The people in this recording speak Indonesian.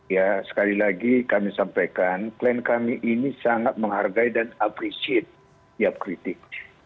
ya sekali lagi kami sampaikan klien kami ini sangat menghargai dan appreciate tiap kritik